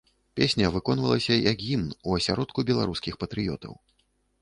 Песня выконвалася як гімн у асяродку беларускіх патрыётаў.